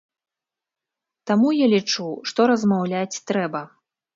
Таму я лічу, што размаўляць трэба.